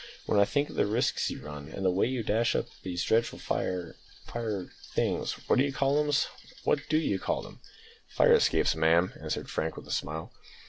When I think of the risks you run and the way you dash up these dreadful fire fire things what d'ye call ums. What do you call them?" "Fire escapes, ma'am," answered Frank, with a smile.